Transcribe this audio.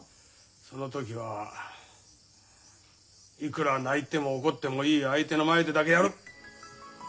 その時はいくら泣いても怒ってもいい相手の前でだけやる。